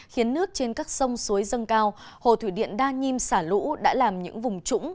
khiến nước trên các sông suối dâng cao hồ thủy điện đa nhiêm xả lũ đã làm những vùng trũng